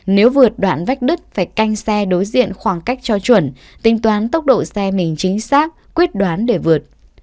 nếu vượt đoạn vách đứt phải canh xe đối diện khoảng cách cho chuẩn tính toán tốc độ xe mình chính xác quyết đoán để vượt